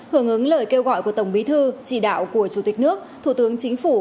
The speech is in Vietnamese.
hưởng ứng lời kêu gọi của tổng bí thư chỉ đạo của chủ tịch nước thủ tướng chính phủ